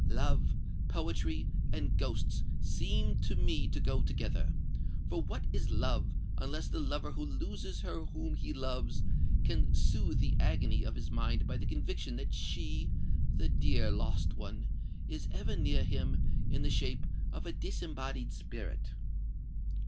Love, poetry, and ghosts seem to me to go together. For what is love, unless the lover who loses her whom he loves, can soothe the agony of his mind by the conviction that she—the dear lost one—is ever near him in the shape of a disembodied spirit?"